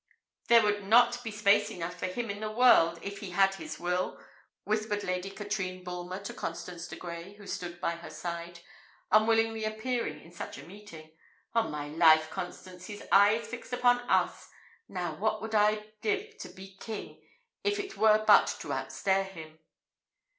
"There would not be space enough for him in the world, if he had his will," whispered Lady Katrine Bulmer to Constance de Grey, who stood by her side, unwillingly appearing in such a meeting. "On my life, Constance, his eye is fixed upon us! Now, what would I give to be king, if it were but to outstare him!"